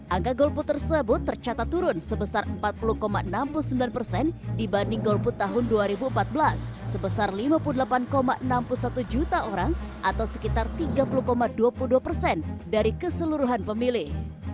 angka golput tersebut tercatat turun sebesar empat puluh enam puluh sembilan persen dibanding golput tahun dua ribu empat belas sebesar lima puluh delapan enam puluh satu juta orang atau sekitar tiga puluh dua puluh dua persen dari keseluruhan pemilih